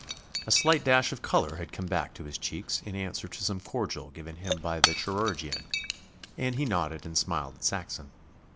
A slight dash of colour had come back to his cheeks in answer to some cordial given him by the chirurgeon, and he nodded and smiled at Saxon.